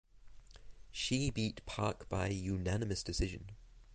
She beat Park by unanimous decision.